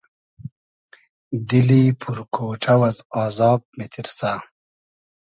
دیلی پور کۉݖۆ از آزاب میتیرسۂ